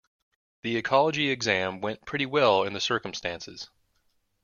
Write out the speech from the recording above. The ecology exam went pretty well in the circumstances.